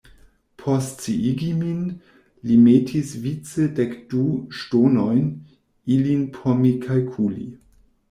Por sciigi min, li metis vice dekdu ŝtonojn, ilin por mi kalkuli.